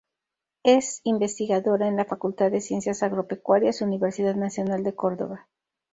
Es investigadora en la Facultad de Ciencias Agropecuarias, Universidad Nacional de Córdoba.